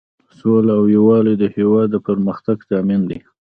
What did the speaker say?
سوله او یووالی د هیواد د پرمختګ ضامن دی.